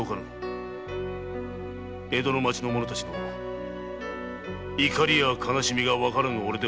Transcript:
江戸の町民たちの怒りや悲しみがわからぬおれではない。